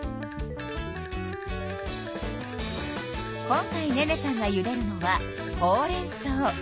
今回寧々さんがゆでるのはほうれんそう。